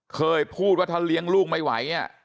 เคยพูดว่าถ้าเลี้ยงลูกไม่ไหว